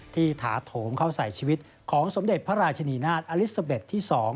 ถาโถมเข้าใส่ชีวิตของสมเด็จพระราชนีนาฏอลิซาเบ็ดที่๒